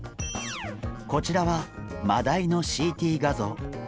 こちらはマダイのＣＴ画像。